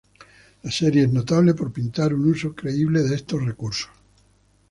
La serie es notable por pintar un uso creíble de estos recursos.